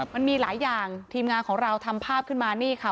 มันมีหลายอย่างทีมงานของเราทำภาพขึ้นมานี่ค่ะ